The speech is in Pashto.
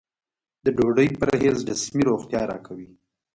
د ډوډۍ پرهېز جسمي روغتیا راکوي.